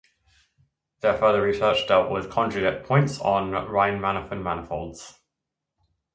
Their further research dealt with conjugate points on Riemannian manifolds.